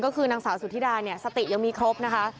ก็คือนางสาวสุธิดาเนี่ยสติยังมีครบนะคะ